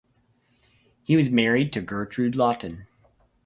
He was married to Gertrude Lawton.